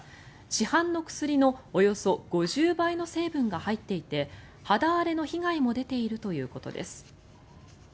市販の薬のおよそ５０倍の成分が入っていて肌荒れの被害も出ているということです。